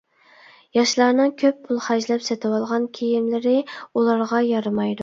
ياشلارنىڭ كۆپ پۇل خەجلەپ سېتىۋالغان كىيىملىرى ئۇلارغا يارىمايدۇ.